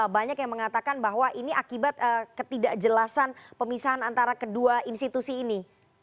banyak yang mengatakan bahwa ini akibat ketidakjelasan pemisahan antara kedua institusi ini